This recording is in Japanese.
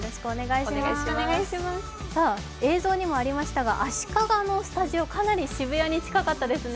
映像にもありましたが、足利のスタジオ、かなり渋谷に近かったですね。